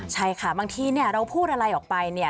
ใช่ค่ะบางทีเนี่ยเราพูดอะไรออกไปเนี่ย